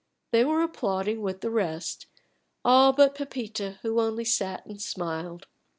They were applauding with the rest, all but Pepita, who only sat and smiled.